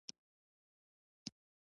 خو اوس مې په دې ټولو کښې خوند ليده.